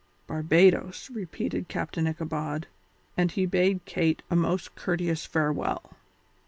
"Barbadoes," repeated Captain Ichabod, and he bade Kate a most courteous farewell.